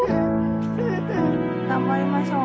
頑張りましょう。